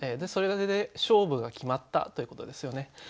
それで勝負が決まったということですよね。